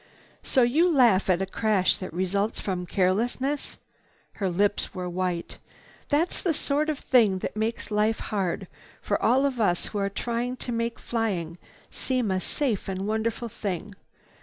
"So you laugh at a crash that results from carelessness?" Her lips were white. "That's the sort of thing that makes life hard for all of us who are trying to make flying seem a safe and wonderful thing.